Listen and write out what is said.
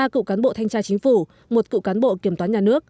ba cựu cán bộ thanh tra chính phủ một cựu cán bộ kiểm toán nhà nước